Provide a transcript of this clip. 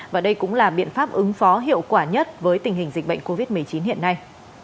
và đây cũng là biện pháp ứng phó hiệu quả nhất với tình hình dịch bệnh covid một mươi chín hiện nay